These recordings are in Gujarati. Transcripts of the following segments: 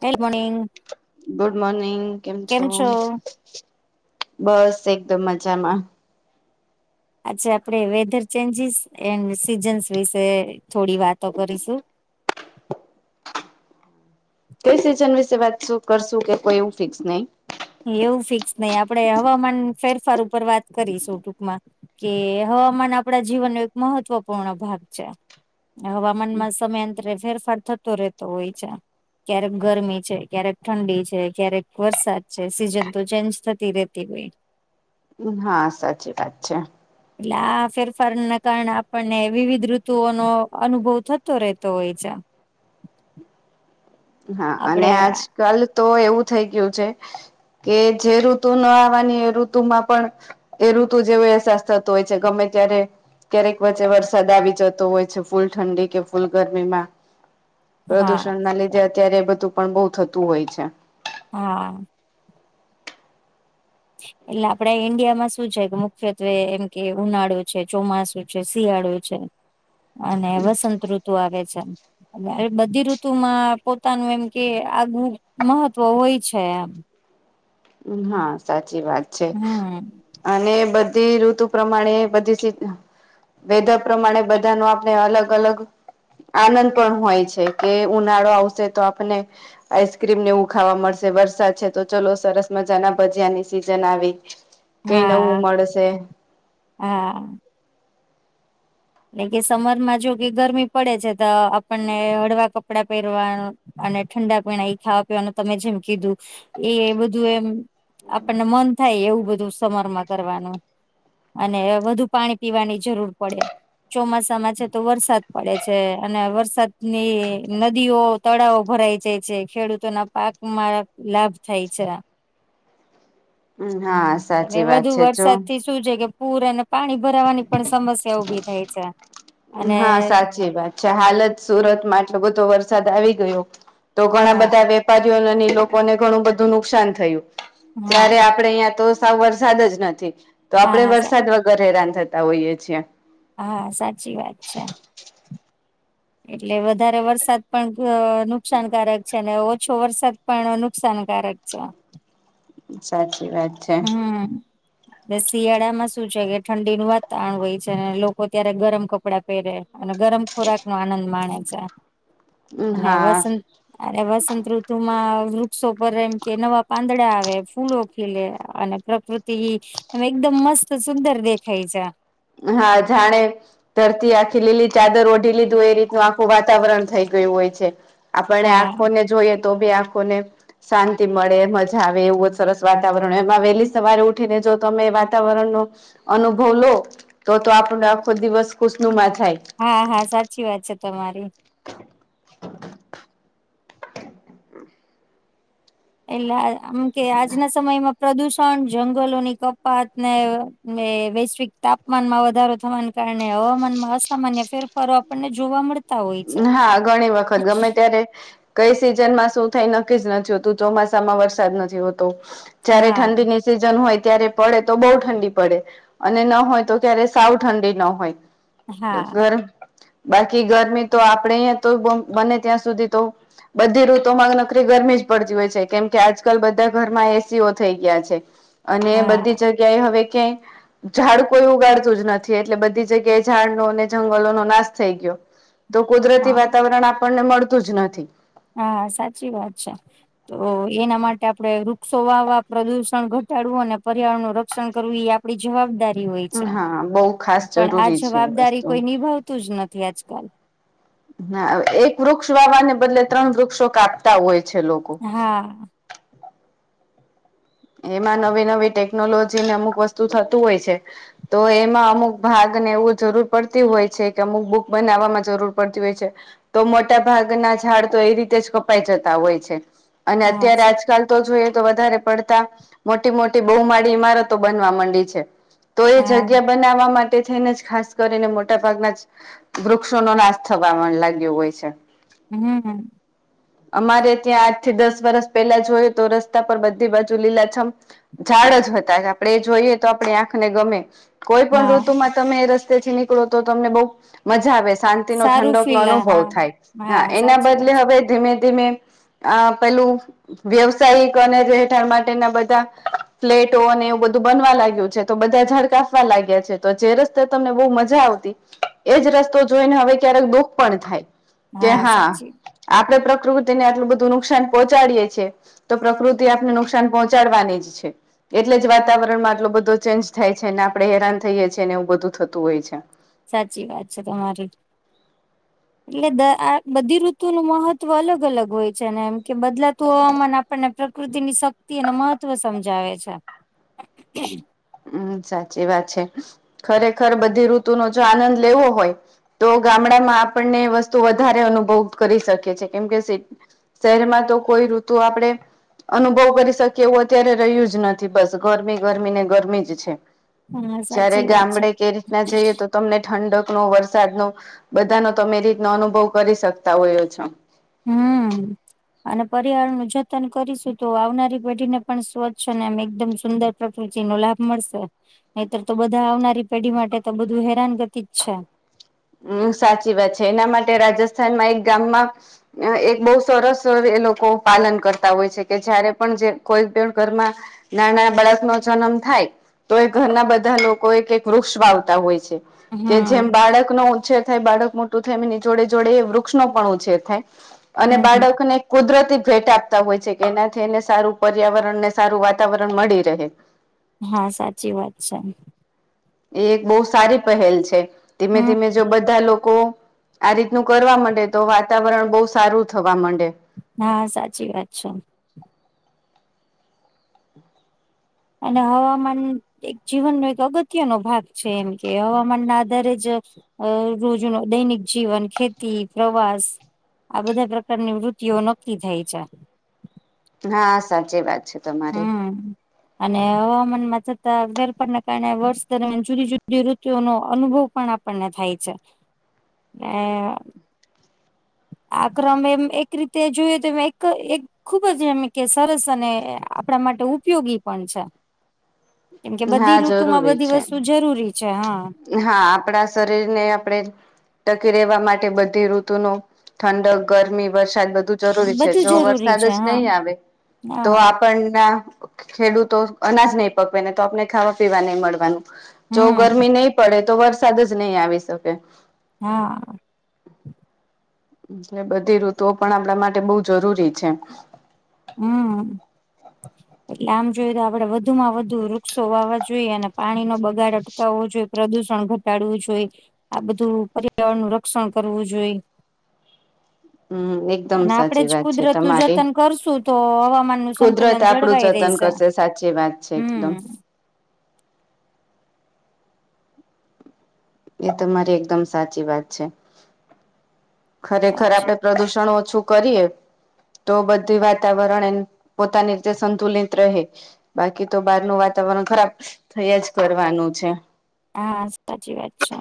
[unintelligible] મોર્નિંગ ગુડ મોર્નિંગ કેમ છો, બસ એકદમ મજામાં આછા આપણેે વેધર ચેન્જીસ એન્ડ સીઝન્સ વિશે થોડી વાતો કરીશું, કઈ સિઝન વિશે વાત શું કરશું કે કોઈ એવું ફિક્સ નહી, એવું ફિક્સ નઈ આપડે હવામાન ફેરફાર ઉપર વાત કરીશું, ટૂંકમાં કે હવામાન આપણા જીવનનો એક મહત્વપૂર્ણ ભાગ છે. હવામાનમાં સમયાંતરે ફેરફાર થતો રહેતો હોય છે, ક્યારેક ગરમી છે, ક્યારેક ઠંડી છે ક્યારેક વરસાદ છે, સિઝન તો ચેન્જ થતી રેતી હોય, હા સાચી વાત છે, એટલે આ ફેરફાર ના કારણે આપણને વિવિધ ઋતુઓનો અનુભવ થતો રહેતો હોય છે, હા, અને આપડે આજ કાલ તો એવું થઈ ગયું છે, કે જે ઋતુ ના આવવાની એ ઋતુ માં પણ એ ઋતુ જેવો અહેસાસ થતો હોય છે, ગમે ત્યારે ક્યારેક વચ્ચે વરસાદ આવી જતો હોય છે, ફૂલ ઠંડી કે ફૂલ ગરમી માં હા પ્રદુષણ ના લીધે અત્યારે એ બધું પણ બહુ થતું હોય છે, હા, એટલે આપડે ઈન્ડિયામાં શું છે, મુખ્યત્વે એમ કે ઉનાળુ છે ચોમાસુ છે શિયાળો છે, અને વસંત ઋતુ આવે છે, બધી ઋતુ માં પોતાનું એમ કે આગવુ મહત્વ હોય છે, આમ હા, સાચી વાત છે હમ અને બધી ઋતુ પ્રમાણે બધી વેધર પ્રમાણે બધા ન આપણે અલગ અલગ આનંદ પણ હોય છે, કે ઉનાળો આવશે તો આપને આઈસ્ક્રીમ ને એવું ખાવા મળશે, વરસાદ છે તો ચલો સરસ મજા ના ભજીયા ની સિઝન આવી કઈ નવું હા મળશે હા એટલે કે સમરમાં જો કે ગરમી પડે છે તો આપણને હળવા કપડાં પહેરવાનું અને ઠંડા પીણા એ ખાવા પીવાનું તમે જેમ કીધું, એ બધું એમ આપણને મન થાય એવું બધું સમરમાં કરવાનું અને વધુ પાણી પીવાની જરૂર પડે, ચોમાસામાં છે તો વરસાદ પડે છે, અને વરસાદની નદીઓ તળાવ ભરાઈ જાય છે, ખેડૂતો ના પાકમાં લાભ થાય છે હમ્મ, હા અને સાચી વાત વધુ છે જો વરસાદ થી જ શું છે કે પૂર અને પાણી ભરાવાની પણ સમસ્યા ઉભી થાય છે, અને હા સાચી વાત છે, હાલત સુરતમાં એટલો બધો વરસાદ આવી ગયો. તો ઘણા હા બધા વેપારીઓ લોકોને ઘણું બધું નુકસાન થયું. હા જયારે આપડે અહિયાં તો સાવ વરસાદ જ નથી, તો હા આપડે હા સા વરસાદ વ ઘરે હેરાન થતા હોઈએ છીએ, હા સાચી વાત છે. એટલે વધારે વરસાદ પણ ભ નુકસાનકારક છે ને ઓછ છો વરસાદ પણ નુકસાનકારક છે. સાચી વાત. છે હમ. ને શિયાળામાં શું છે કે ઠંડીનું વાતાવરણ હોય છે ને લોકો ત્યારે ગરમ કપડાં પહેરે. અને ગરમ ખોરાક નો આનંદ માણે છે અને હા વસંત અરે વસંત ઋતુ માં વૃક્ષો પર એમ કે નવા પાંદડા આવે ફૂલો ખીલે. અને પ્રકૃતિ એકદમ મસ્ત સુંદર દેખાય છે. હા જાણે ધરતી આખી લીલી ચાદર ઓઢી લીધું એ રીતનું આખું વાતાવરણ થઈ ગયું હોય છે. આપણે હા આંખોને જોઈએ તો બી આંખોને શાંતિ મળે મજા આવે એવું જ સરસ વાતાવરણ હોય એમાં વહેલી સવારે ઉઠીને જો તમે વાતાવરણનો અનુભવ લો તો તો આપણને આખો દિવસ ખુશનુમા જાય. હા હા સાચી વાત છે તમારી. એલા આ અમકે આજના સમયમાં પ્રદૂષણ જંગલોની કપાત ને વે વૈશ્વિક તાપમાન માં વધારો થવાની કારણે હવામાન માં અસામાન્ય ફેરફારો આપણને જોવા મળત હા ઘણી વખત ગમે ત્યારે કઈ સીઝન માં શું થાઈ નક્કી જ નથી હોતું ચોમાસામાં વરસાદ નથી હોતો જ્યારે હા ઠંડીની સીઝન હોય ત્યારે પડે તો બહુ ઠંડી પડે. અને ન હોય તો કત્યારે સાવ ઠંડી ન હોય. હા ગર બાકી ગરમી તો આપણડે અહીંયાં તો બમ બને ત્યાં સુધી તો બધી ઋતુમાં નકરી ગરમી જ પડતી હોય છે કેમ કે આજકાલ બધા ઘરમાં એસીઓ થઈ ગ્યા છે. અને બધી હા જગ્યાએ હવે ક્યાંય ઝાડ કોઈ ઉગાડતું જ નથી એટલે બધી જગ્યાએ એ ઝાડ નો અને જંગલો નો નાશ થઈ ગ્યો. તો કુદરતી હા વાતાવરણ આપણને મળતું જ નથી. હા સાચી વાત છે. તો એના માટે આપડે વૃક્ષો વાવવા પ્રદુષણ ઘટાડવું અને પર્યાવરણ નું રક્ષણ કરવું ઈ આપ પડી જવાબદારી હોય છે. હા બહુ ખાસ પણ આ જરૂરી છે એ જવાબદારી વસ્તુ. કોઈ નિભાવતું જ નથી આજકાલ. હાવે એક વૃક્ષ વાવાને બદલે ત્રણ વૃક્ષો કાપતા હોય છે લોક હા. એમાં નવી નવી ટેકનોલોજીને અમુક વસ્તુ થતું હોય છે, તો એમાં અમુક ભાગને એવું જરૂર પડતી હોય છે, કે અમુક બુક બનાવવામાં જરૂર પડતી હોય છે. તો મોટા ભાગના ઝાડ તો એ રીતે જ કપાઈ જતા હોય છે. અને હા અત્યારે સ આજકાલ તો જોઈએ તો વધારે પડતા મોટી મોટી બહુમાળી ઈમારતો બનવા માંડી છે તો એ હા જગ્યા બનાવવા મા તે છે ને જ ખાસ કરીને મોટાભાગના જ વૃક્ષો નો નાશ થવા મ લાગ્યો હોય છે. હમ. અમારે ત્યાં આઠ થી દસ વરસ પેલા જોયું તો રસ્તા પર બધી બાજ તો લીલા છમ ઝાડ જ હતા આપડે એ જોઈએ તો આપડે આંખને ગમે. કોઈ પણ હા ઋતુમાં તમે રસ્તેથી નીકળો તો તમને બહુ મજા આવે શાંતિ નો સારું ઠંડક નો ફીલ અનુભવ હા થાય હા એના સાચી બદલે વાત છે હવે ધીમે ધીમે આ પેલું વ્યવસાયિક અને રહેેઠાણ માટેના બધા ફ્લેટો અને એવું બધું બનવા લાગ્યું છે તો બધા ઝાડ કાફવા લાગ્યા છે તો જે રસ્તે તમને બહુ મજા આવતી એજ રસ્તો જોઈને હવે ક્યારેક દુઃખ પણ થાય કે હા આપડે પ્રકૃતિને આટલું બધું નુકસાન પહોંચાડીયે છે તો પ્રકૃતિ આપને નુકસ નુકસાન પહોંચાડવાની જ છે. એટલે જ વાતાવરણમાં આટલો બધો ચેન્જ થાય છે ને આપણેે હેરાન થઈએ છીએ ને એવું બધું થતું હોય છે. સાચી વાત છે, તમારી એટલે આ બધી ઋતુ નુ મહત્વ અલગ અલગ હોય છે, ને એમ કે બદલાતું હવામાન આપને પ્રકૃતિની શક્તિ અને મહત્વ સમજાવે છે. હમ સાચી વાત છે, ખરેખર બધી ઋતુ નો જો આનંદ લેવો હોય તો ગામડામાં આપણને વસ્તુ વધારે અનુભવ કરી શકી છીએ કેમ કે શહેરમાં તો કોઈ ઋતુ આપણેે અનુભવ કરી શકીએ એવું અત્યારે રહ્યું જ નથી બસ ગરમી ગરમીને ગરમી જ છે, હા જ્યારે સાચી વાત છે. ગામડે કઈ રીતના જઈએ તો તમને ઠંડક નો વરસાદ નો બધા નો તમે એ રીતનો અનુભવ કરી શકતા હોયો છો. હમ્મ અને પરિવારણ નું જતન કરીશું તો આવનારી પેઢી ને પણ સ્વચ્છ અને એમ એકદમ સુંદર પ્રકૃતિ નો લાભ મળશે નહીિતર તો બધા આવનારી પેઢી માટે તો બધું હેરાનગતિ જ છે. હમ સાચી વાત છે, એના માટે રાજસ્થાનમાં એક ગામમાં એક બહુ સરસ એ લોકો પાલન કરતા હોય છે, કે જયારે પણ જે કોઈ પણ ઘરમાં નાના બાળક નો જન્મ થાય તો એ ઘરના બધા લોકો એક વૃક્ષ વા આવતા હોય છે. કે જેમ હમ બાળક નો ઉછેર થાય બાળક મોટું થાય એની જોડે જોડે એ વૃક્ષ નો પણ ઉછેર થાય અને હમ હમ બાળકને કુદરતી ભેટ આપતા હોય છે, કે એનાથી એને સારું પર્યાવરણ ને સારું વાતાવરણ મળી રહે હા સાચી વાત છે. એ એક બહુ સારી પહેલ છે, ધીમે હમ ધીમે જો બધા લોકો આ રીતનું કરવા માંડે તો વાતાવરણ બહુ સારું થવા માંડે હા સાચી વાત છે. અને હવામાન એક જીવનનો એક અગત્યનો ભાગ છે, એમ કે હવામાન ના આધારે જ અ રોજ ન દૈનિક જીવન ખેતી પ્રવાસ આ બધા પ્રકારની વૃતિઓ નક્કી થાય છે, હા સાચી વાત છે. તમારી હમ અને હવામાનમાં છતાં વેરફારના કારણે વર્ષ દરમિયાન જુદી જુદી રુતુ નો અનુભવ પણ આપણને થાય છે, એ આ ક્રમે એમ એક રીતે જોયું તો એ એક ખુબ જ એમ કે સરસ અને આપણા માટે ઉપયોગી પણ છે. કેમ કે હા બધી ઋતુ માં જરૂરી બધી છે વસ્તુ જરૂરી છે, હા હા આપણા શરીર ને આપણેે ટકી રહેવા માટે બધી ઋતુ ન ઠંડક ગરમી વરસાદ બધું જરૂરી છે બધું જો જરૂરી વરસાદ છે જ હા નહીં આવે તો હા આપણના ખેડૂતો અનાજ નહી પકવે ને તો આપને ખાવા પીવા નહી મળવાનું જો હમ ગરમી નહી ડે તો વરસાદ જ નહીં આવી શકે હા બધી ઋતુઓ પણ આપણા માટે બઉ જરૂરી છે, હમ આમ જોયએ તો આપડે વધુ માં વધુ વૃક્ષો વાવા જોઈએ અને પાણીનો બગાડો થવું જોઈએ પ્રદુષણ ઘટાડવું જોઈ આ બધું પર્યાવરણ નું રક્ષણ કરવું જોઈ હમ એકદમ અને આપડે સાચી જ વાત છે કુદરત નું તમારી. જતન કરશું તો હવામાન નું કુદરત સંતુલન આપડું જળવાય જતન રહેશે કરશે સાચી વાત છે એકદમ. હમ એ તમા મારી એકદમ સાચી વાત છે. ખરેખર સાચી આપડે પ્રદુષણ ઓછું કરીએ તો બધી વાતાવરણ એ પોતાની રીતે સંતુલિત રહે બાકી તો બહારનું વાતાવરણ ખરાબ થયા જ કરવાનું છે. હા સાચી વાત છે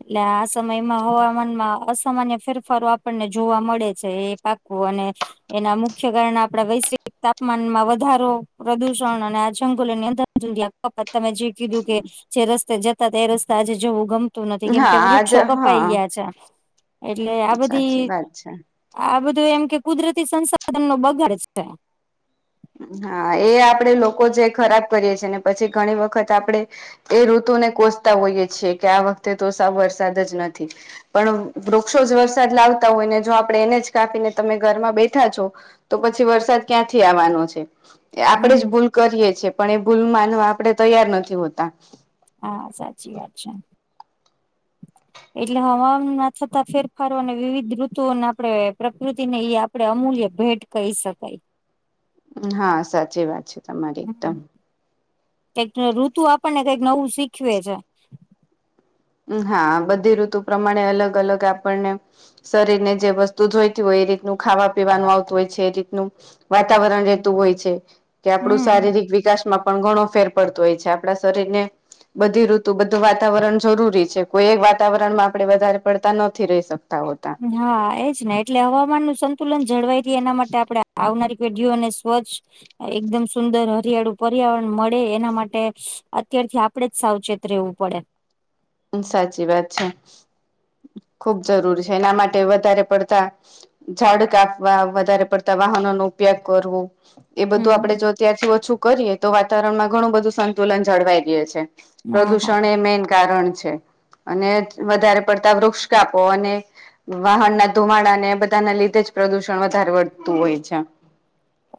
એટલે આ સમયમાં હવામાનમાં અસામાન્ય ફેરફારો આપણને જોવા મળે છે એ પાકું અને એના મુખ્ય કારણે આપણા વૈશ્વિક તાપમાનમાં વધારો પ્રદુષણ અને આ જંગલોની અંદર પપ્પા તમે જે કીધું કે જે રસ્તે જતા તે રસ્તે આજે જવું ગમ નથી કેમ હા કે આજ વૃક્ષો કપાઈ હા ગયા છે એટલે આ બધી સાચી વાત છે. આ બધું એમ કે કુદરતી સંસાધન નો બગાડે છે હા એ આપડે લોકો જે ખરાબ કરીએ છીએ ને પછી ઘણી વખત આપડે એ ઋતુને કોસતા હોઈએ છે કે આ વખતે તો સાવ વરસાદ જ નથી પણ વૃક્ષો જ વરસાદ લાવતા હોય ને જો આપડણે એને જ કાપીને તમે ઘરમાં બેઠા છો તો પછી વરસાદ ક્યાંથી આવવાનો એ આપણેે જ હમ ભૂલ કરીએ છીએ પણ એ ભૂલ માનવા આપણે તૈયાર નથી હોતા હા સાચી વાત છે એટલે હવામાનના થતાં ફેરફારો અને વિવિધ ઋતુઓને આપણે પ્રકૃતિને ઈ આપ આપડે અમૂલ્ય ભેટ કહી શકાય હા સાચી વાત છે તમારી એકદમ. હ એક ઋતુ આપણને કઈક નવું શીખવે છે હા બધી ઋતુ પ્રમાણે અલગ અલગ આપણને શરીર ને જે વસ્તુ જોઈતી હોય એ રીતનું ખાવા પીવાનું આવતું હોય છે એ રીતનું વાતાવરણ રહેતું હોય છે કે આપડું હમ શારીરિક વિકાસમાં પણ ઘણો ફેર પડતો હોય છે આપણા શરીર ને બધી ઋતુ બધું વાતાવરણ જરૂરી છે કોઈ એક વાતાવરણમાં આપણે વધારે પડતા નથી રહી શકતા હોતા હા એજ ને એટલે હવામાન નું સંતુલન જળવાયથી એના માટે આપણે આવનારી પેઢીઓને સ્વચ્છ એકદમ સુંદર હરિયાળુ પર્યાવરણ મળે એના માટે અત્યારથી આપ આપડે જ સાવચેત રહેવું પડે સાચી વાત છે ખુબ જરૂરી છે એના માટે વધારે પડતા ઝાડ કાપવા વધારે પડતા વાહનોનો ઉપયોગ કરવું એ બધું આપણે હમ જો અત્યારથી ઓછું કરીએ તો વાતાવરણમાં ઘણું બધું સંતુલન જળવાઈ રહે છે હા હા પ્રદૂષણ એ મેન કારણ અને વધારે પડતા વૃક્ષ કાપો અને વાહનના ધુમાડા ને બધાના લીધે જ પ્રદુષણ વધારે વધતું હોય છે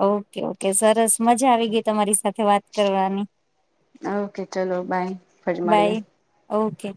ઓકે ઓકે સરસ મજા આવી ગઈ તમારી સાથે વાત કરવાની ઓકે ચલો બાય ફરી મળીએ બાય ઓકે